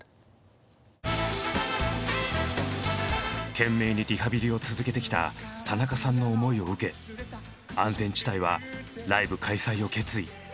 懸命にリハビリを続けてきた田中さんの思いを受け安全地帯はライブ開催を決意。